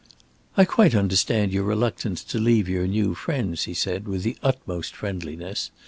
"I quite understand your reluctance to leave your new friends," he said, with the utmost friendliness.